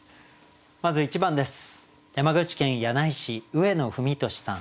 まず１番です。